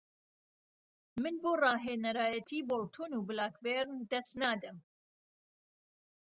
من بۆ راهێنهرایهتی بۆڵتۆن و بلاکبێرن دهستنادهم